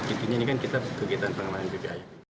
intinya ini kan kita kegiatan pengembangan bpi